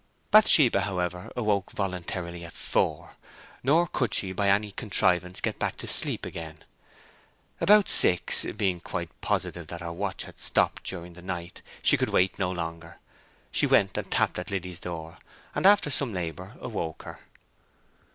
Bathsheba, however, awoke voluntarily at four, nor could she by any contrivance get to sleep again. About six, being quite positive that her watch had stopped during the night, she could wait no longer. She went and tapped at Liddy's door, and after some labour awoke her.